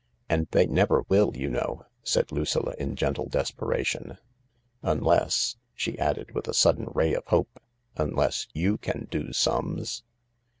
" And they never will, you know," said Lucilla in gentle desperation ;" unless .«/* she added, with a sudden ray of hope, " unless you can do sums